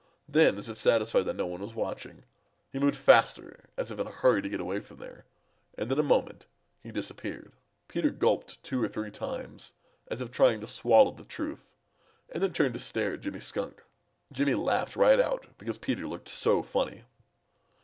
Then, as if satisfied that no one was watching, he moved faster as if in a hurry to get away from there, and in a moment he disappeared. Peter gulped two or three times as if trying to swallow the truth and then turned to stare at Jimmy Skunk. Jimmy laughed right out because Peter looked so funny.